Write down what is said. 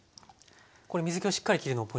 これ水けをしっかり切るのポイントですか？